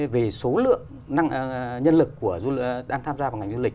về số lượng nhân lực đang tham gia vào ngành du lịch